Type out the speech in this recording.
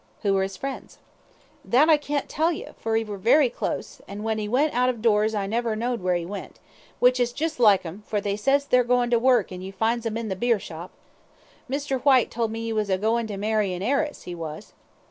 "Who were his friends?" "That I can't tell you, for 'e were very close, an' when 'e went out of doors I never knowd where 'e went, which is jest like 'em; for they ses they're goin' to work, an' you finds 'em in the beershop. Mr. Whyte told me 'e was a goin' to marry a heiress, 'e was."